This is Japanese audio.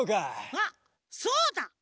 あっそうだ！